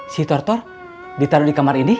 si tortor ditaro di kamar ini